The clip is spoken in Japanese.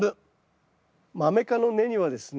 マメ科の根にはですね